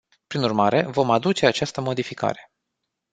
Prin urmare, vom aduce această modificare.